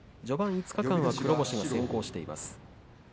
序盤５日間、黒星が先行しています。